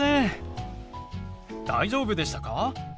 大丈夫でしたか？